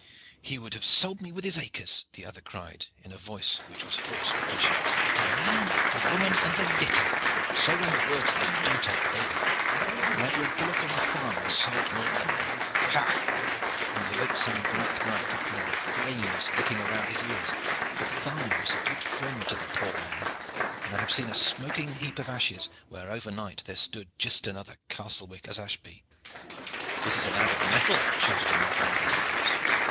"He would have sold me with his acres," the other cried, in a voice which was hoarse with passion. "'The man, the woman and their litter' so ran the words of the dotard bailiff. Never a bullock on the farm was sold more lightly. Ha! he may wake some black night to find the flames licking about his ears for fire is a good friend to the poor man, and I have seen a smoking heap of ashes where over night there stood just such another castlewick as Ashby." "This is a lad of mettle!" shouted another of the laborers.